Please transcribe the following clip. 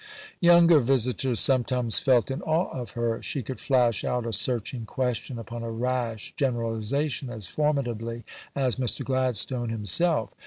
" Younger visitors sometimes felt in awe of her; she could flash out a searching question upon a rash generalization as formidably as Mr. Gladstone himself.